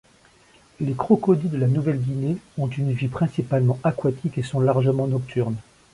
Les Crocodiles de Nouvelle-Guinée ont une vie principalement aquatique et sont largement nocturnes.